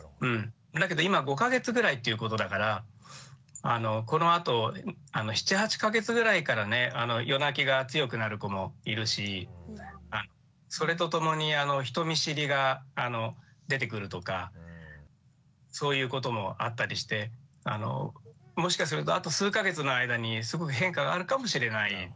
だけど今５か月ぐらいということだからこのあと７８か月ぐらいからね夜泣きが強くなる子もいるしそれとともに人見知りが出てくるとかそういうこともあったりしてもしかするとあと数か月の間にすごく変化があるかもしれないですよね。